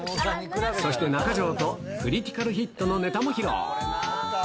そして、中条とクリティカルヒットのネタも披露。